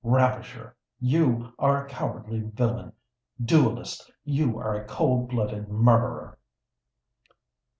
Ravisher, you are a cowardly villain!—duellist, you are a cold blooded murderer!"